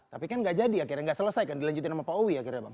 tapi kan gak jadi akhirnya nggak selesai kan dilanjutin sama pak uwi akhirnya bang